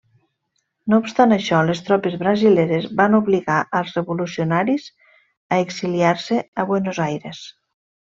No obstant això, les tropes brasileres van obligar als revolucionaris a exiliar-se a Buenos Aires.